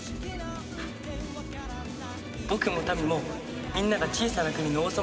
僕も民もみんなが小さな国の王様になるんだよ。